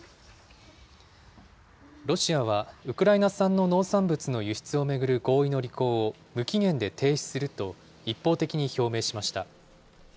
ロシアはウクライナ産の農産物の輸出を巡る合意の履行を無期限で停止すると一方的に表明しました。